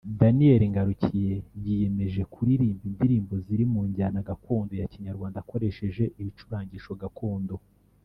Daniel Ngarukiye yiyemeje kuririmba indirimbo ziri mu njyana gakondo ya Kinyarwanda akoresheje ibicurangisho gakondo